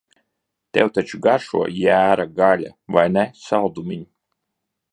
Tev taču garšo jēra gaļa, vai ne, saldumiņ?